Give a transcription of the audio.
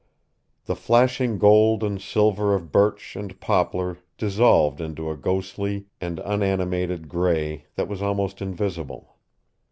The flashing gold and silver of birch and poplar dissolved into a ghostly and unanimated gray that was almost invisible.